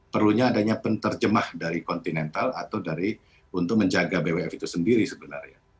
perlunya adanya penerjemah dari kontinental atau dari untuk menjaga bwf itu sendiri sebenarnya